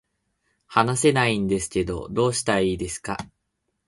話せないんですけど、どうしたらいいですか